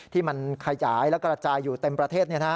ที่มันขยายและกระจายอยู่เต็มประเทศ